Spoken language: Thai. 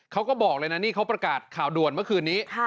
เขาบอกเลยนะนี่เขาประกาศข่าวด่วนเมื่อคืนนี้